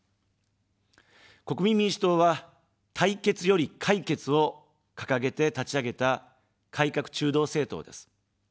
国民民主党は、対決より解決を掲げて立ち上げた改革中道政党です。